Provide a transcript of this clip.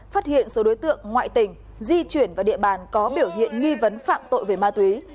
phát hiện số đối tượng ngoại tỉnh di chuyển vào địa bàn có biểu hiện nghi vấn phạm tội về ma túy